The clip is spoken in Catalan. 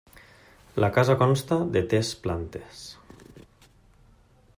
La casa consta de tes plantes.